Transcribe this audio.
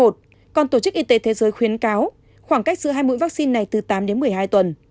còn tổ chức y tế thế giới khuyến cáo khoảng cách giữa hai mũi vaccine này từ tám đến một mươi hai tuần